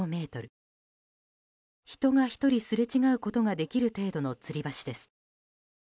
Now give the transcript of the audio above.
人が１人すれ違うことができる程度のつり橋です。